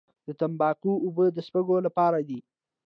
د تنباکو اوبه د سپږو لپاره دي؟